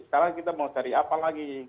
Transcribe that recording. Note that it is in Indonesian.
sekarang kita mau cari apa lagi